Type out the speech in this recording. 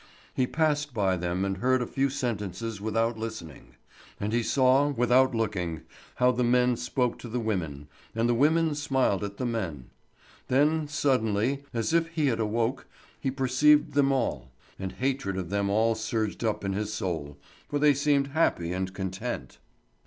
He passed by them and heard a few sentences without listening; and he saw, without looking, how the men spoke to the women, and the women smiled at the men. Then, suddenly, as if he had awoke, he perceived them all; and hatred of them all surged up in his soul, for they seemed happy and content.